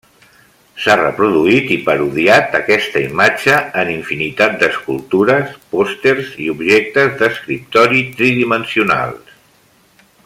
S'ha reproduït i parodiat aquesta imatge en infinitat d'escultures, pòsters, i objectes d'escriptori tridimensionals.